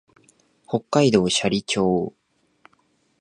北海道斜里町